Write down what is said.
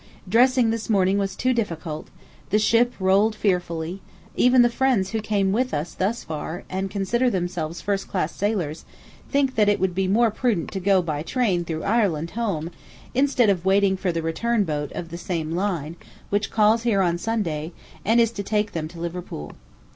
Dressing this morning was too difficult, the ship rolled fearfully, even the friends who came with us thus far, and consider themselves first class sailors, think that it will be more prudent to go by train through Ireland home, instead of waiting for the return boat of the same line which calls here on Sunday and is to take them to Liverpool.